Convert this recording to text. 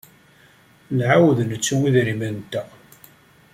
Nɛawed nettu idrimen-nteɣ.